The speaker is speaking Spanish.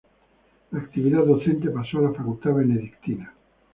La actividad docente pasó a la facultad benedictina.